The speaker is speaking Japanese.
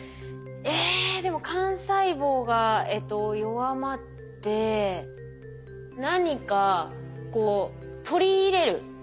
えでも幹細胞が弱まって何かこう取り入れる。